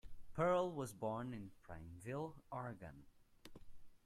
Pearl was born in Prineville, Oregon.